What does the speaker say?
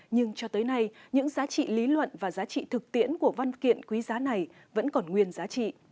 nhưng cho tới nay những giá trị lý luận và giá trị thực tiễn của văn kiện quý giá này vẫn còn nguyên giá trị